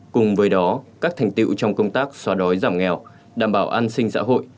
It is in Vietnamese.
cùng với đó các thành tiệu trong công tác xóa đói giảm nghèo đảm bảo an sinh xã hội